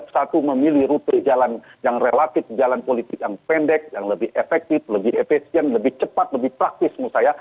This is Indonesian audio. satu memilih rute jalan yang relatif jalan politik yang pendek yang lebih efektif lebih efisien lebih cepat lebih praktis menurut saya